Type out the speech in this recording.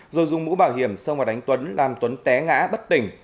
rồi dùng mũ bảo hiểm xông vào đánh tuấn làm tuấn té ngã bất tỉnh